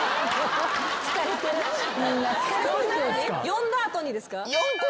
読んだ後にですか？